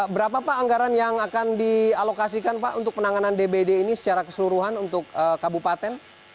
berapa pak anggaran yang akan dialokasikan pak untuk penanganan dbd ini secara keseluruhan untuk kabupaten